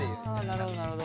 なるほどなるほど。